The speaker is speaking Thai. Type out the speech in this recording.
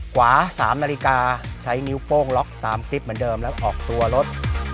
กว่า๓นาฬิกาใช้นิ้วโป้งล็อกตามคลิปเหมือนเดิมแล้วออกตัวรถ